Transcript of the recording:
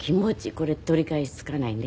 これ取り返しつかないね。